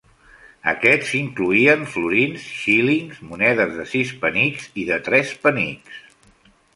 Aquests incloïen florins, xílings, monedes de sis penics i de tres penics.